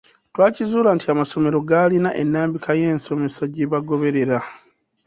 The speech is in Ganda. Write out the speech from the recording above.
Twakizuula nti amasomero gaalina ennambika y’ensomesa gye bagoberera.